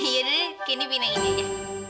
yaudah candy pindahin aja